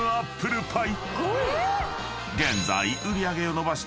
［現在］